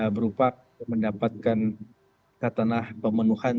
berupa mendapatkan katalah pembuktian